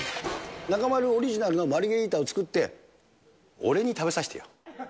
中丸オリジナルのマルゲリータを作って、俺に食べさせてよ。